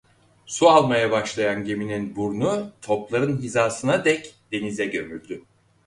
Su almaya başlayan geminin burnu topların hizasına dek denize gömüldü.